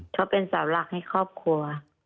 เขาเป็นสาวหลักให้ครอบครัว